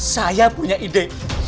saya punya ide